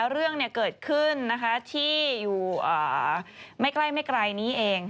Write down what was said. เรื่องเกิดขึ้นที่อยู่ไม่ไกลนี้เอง